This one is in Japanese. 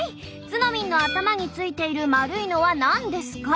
「ツノミンの頭についている丸いのは何ですか？」。